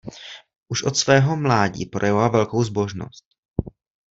Už od svého mládí projevoval velkou zbožnost.